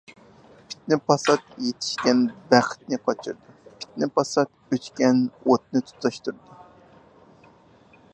پىتنە-پاسات يېتىشكەن بەختنى قاچۇرىدۇ. پىتنە-پاسات ئۆچكەن ئوتنى تۇتاشتۇرىدۇ.